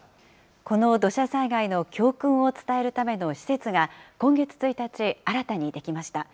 この土砂災害の教訓を伝えるための施設が、今月１日、新たに出来ました。